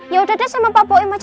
yaudah deh sama pak boem aja